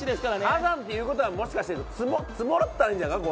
火山っていう事はもしかして積もったらいいんじゃないか？